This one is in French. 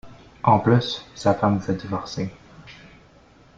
En plus, sa femme veut divorcer.